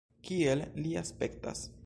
Kiel li aspektas?